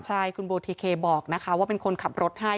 ใช่คุณโบทิเคบอกนะคะว่าเป็นคนขับรถให้